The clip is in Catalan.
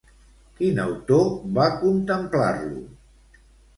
Quin autor va contemplar-lo?